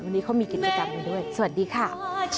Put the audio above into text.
วันนี้เขามีกิจกรรมกันด้วยสวัสดีค่ะ